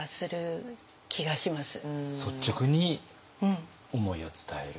率直に思いを伝える。